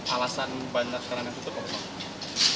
alasan banyak kerana tutup apa bang